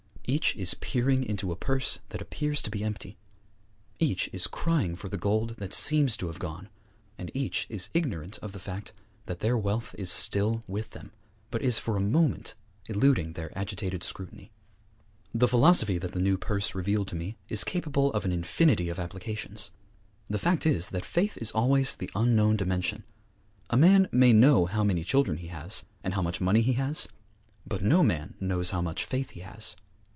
Each is peering into a purse that appears to be empty; each is crying for the gold that seems to have gone; and each is ignorant of the fact that their wealth is still with them, but is for a moment eluding their agitated scrutiny. The philosophy that the new purse revealed to me is capable of an infinity of applications. The fact is that faith is always the unknown dimension. A man may know how many children he has, and how much money he has; but no man knows how much faith he has.